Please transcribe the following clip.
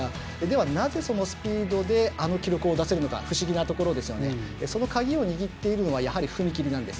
なぜそのスピードであの記録が出せるのか不思議なところですがその鍵を握っているのが踏み切りです。